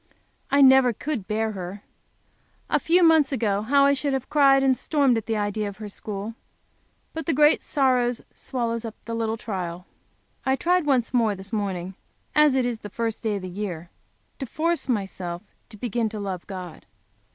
I never could bear her! A few months ago, how I should have cried and stormed at the idea of her school. But the great sorrow swallows up the little trial. I tried once more, this morning, as it is the first day of the year, to force myself to begin to love God.